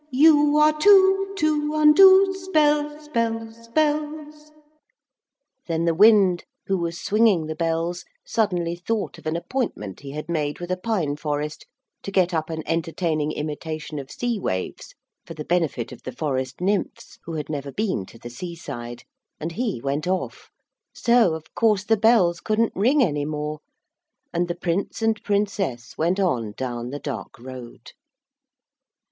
You are two To undo Spells, spells, spells... Then the wind who was swinging the bells suddenly thought of an appointment he had made with a pine forest, to get up an entertaining imitation of sea waves for the benefit of the forest nymphs who had never been to the seaside, and he went off so, of course, the bells couldn't ring any more, and the Prince and Princess went on down the dark road.